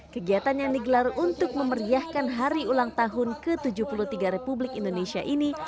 kegiatan yang digelar untuk memeriahkan hari ulang tahun ke tujuh puluh tiga republik indonesia ini